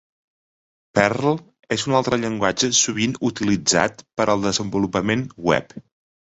Perl és un altre llenguatge sovint utilitzat per al desenvolupament web.